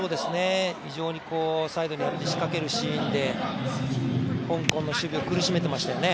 非常にサイドで仕掛けるシーンで、香港の守備を苦しめていましたよね。